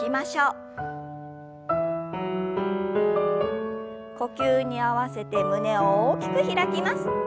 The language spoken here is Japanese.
呼吸に合わせて胸を大きく開きます。